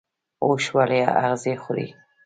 اوښ ولې اغزي خوري؟